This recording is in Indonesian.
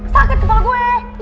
sakit kepala gue